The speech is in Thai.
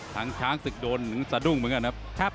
ช้างช้างศึกโดนถึงสะดุ้งเหมือนกันนะครับ